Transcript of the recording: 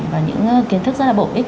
và những kiến thức rất là bổ ích